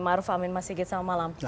maruf amin mas sigit selamat malam